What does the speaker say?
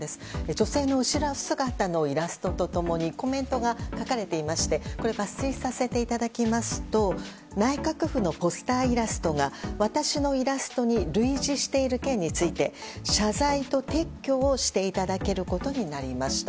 女性の後ろ姿のイラスト共にコメントが書かれていまして抜粋させていただきますと内閣府のポスターイラストが私のイラストに類似している件について謝罪と撤去をしていただけることになりました。